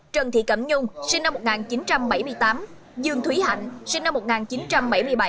trần thị cẩm nhung sinh năm một nghìn chín trăm bảy mươi tám dương thúy hạnh sinh năm một nghìn chín trăm bảy mươi bảy